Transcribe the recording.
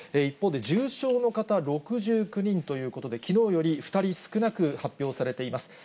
一方で、重症の方６９人ということで、きのうより２人少なく発表されています。